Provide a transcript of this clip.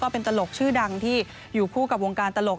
เป็นตลกชื่อดังที่อยู่คู่กับวงการตลก